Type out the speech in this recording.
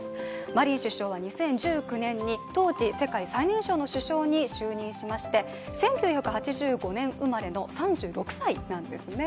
マリン首相は２０１９年に当時世界最年少の首相に就任しまして１９８５年生まれの３６歳なんですね。